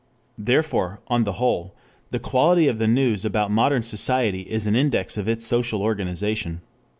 Therefore, on the whole, the quality of the news about modern society is an index of its social organization.